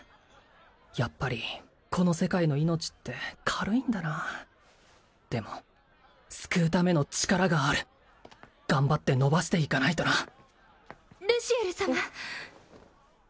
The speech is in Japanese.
やっぱりこの世界の命って軽いんだなあでも救うための力がある頑張って伸ばしていかないとなルシエル様